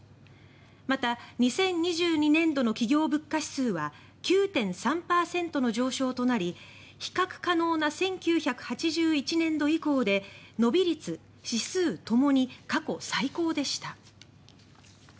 また、２０２２年度の企業物価指数は９．３％の上昇となり比較可能な１９８１年度以降で伸び率、指数ともに過去最高でした。